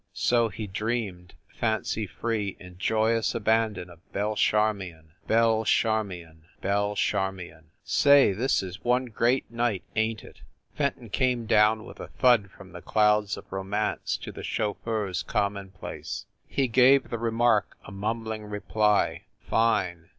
So he dreamed, fancy free in joyous abandon of Belle Charmion! Belle Charmion! Belle Charmion! "Say, this is one great night, ain t it?" Fenton came down with a thud from the clouds of romance to the chauffeur s commonplace. He gave the remark a mumbling reply: "Fine!"